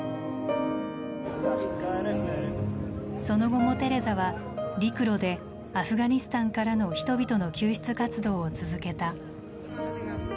その後もテレザは陸路でアフガニスタンからの人々の救出活動を続けた。